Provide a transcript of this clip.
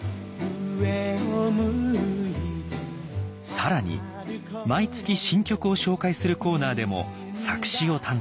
更に毎月新曲を紹介するコーナーでも作詞を担当。